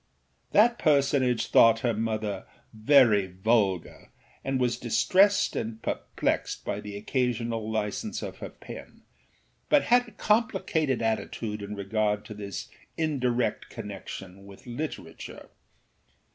That personage thought her mother very vulgar and was distressed and perplexed by the occasional license of her pen, but had a complicated attitude in regard to this indirect connection with literature.